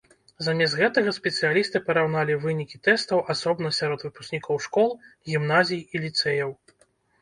Замест гэтага спецыялісты параўналі вынікі тэстаў асобна сярод выпускнікоў школ, гімназій і ліцэяў.